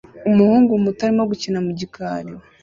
Umuhungu muto arimo gukina mu gikari